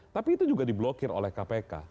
tapi itu juga diblokir oleh kpk